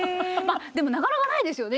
でもなかなかないですよね。